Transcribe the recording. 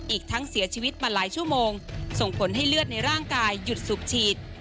อีกทั้งเสียชีวิตมาหลายชั่วโมงส่งผลให้เลือดในร่างกายหยุดสุขฉีด